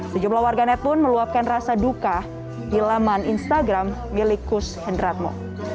sejumlah warganet pun meluapkan rasa duka di laman instagram milik kus hendratmo